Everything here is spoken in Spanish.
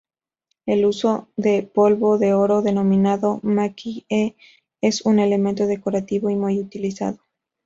El uso de polvo de oro denominado "maki-e", es un elemento decorativo muy utilizado.